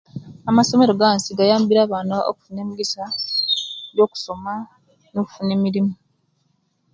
Amasomero gawansi gayambire abaana okufuna omigisa Jo kusoma no kufuna emirimu